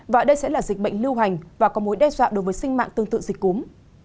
và đây sẽ là dịch bệnh lưu hành và có mối đe dọa đối với sinh mạng tương tự dịch cúm